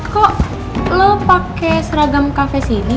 kok lo pake seragam cafe sini